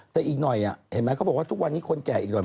แต่อีกหน่อยเห็นไหมเขาบอกว่าทุกวันนี้คนแก่อีกหน่อย